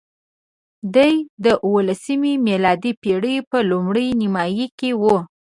دی د اوولسمې میلادي پېړۍ په لومړۍ نیمایي کې وو.